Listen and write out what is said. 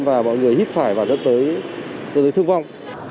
và mọi người hít phải và dẫn tới thương vong